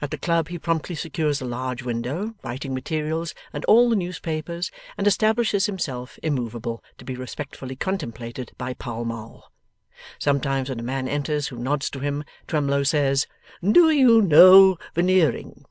At the club he promptly secures a large window, writing materials, and all the newspapers, and establishes himself; immoveable, to be respectfully contemplated by Pall Mall. Sometimes, when a man enters who nods to him, Twemlow says, 'Do you know Veneering?